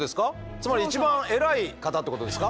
つまり一番偉い方ってことですか？